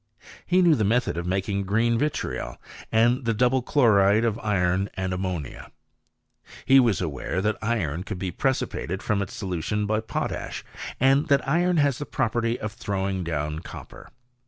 He knew the method of making green vitriol, and the double chloride of iron and ammonia. He was aware that iron could be precipitated from its solution by potash, and that iron has the property of throwing down copper.